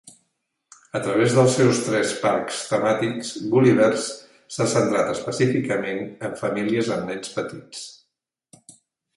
A través dels seus tres parcs temàtics, Gulliver's s'ha centrat específicament en famílies amb nens petits.